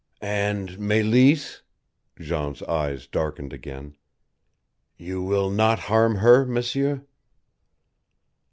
"And Meleese " Jean's eyes darkened again, "You will not harm her, M'seur?"